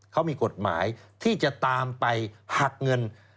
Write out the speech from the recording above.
เขามีกฎหมายที่จะตามไปหักเงิน